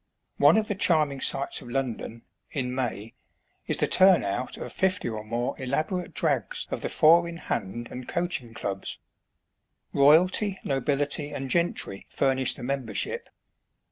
One of the charming sights of London, in May, is the turn out of fifty or more elaborate drags of the " Four in Hand" and "Coaching Clubs." Royalty, nobility, and gentry furnish the member ship.